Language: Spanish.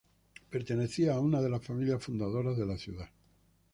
Pertenecía a una de las familias fundadoras de la ciudad.